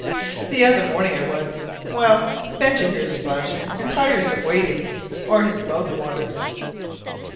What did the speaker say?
The other morning I was well, Benjy hears splashing: and tires of waiting or his mouth waters.